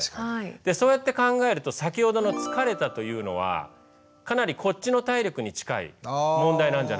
そうやって考えると先ほどの「疲れた」というのはかなりこっちの体力に近い問題なんじゃないかと思うわけです。